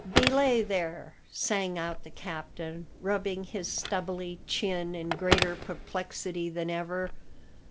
"Belay there!" sang out the captain, rubbing his stubbly chin in greater perplexity than ever.